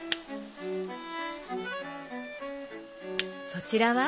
そちらは？